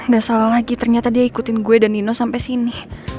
gak salah lagi ternyata dia ikutin gue dan nino sampai sini